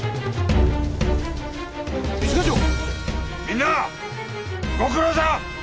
みんなご苦労さん！